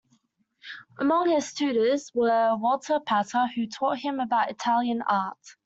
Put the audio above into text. Among his tutors was Walter Pater, who taught him about Italian art.